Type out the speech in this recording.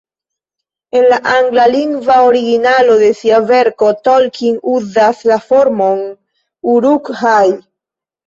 En la anglalingva originalo de sia verko Tolkien uzas la formon "uruk-hai".